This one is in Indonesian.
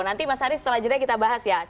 nanti masahir setelah jadinya kita bahas ya